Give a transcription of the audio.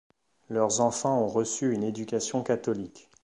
Leurs enfants ont reçu une éducation catholique.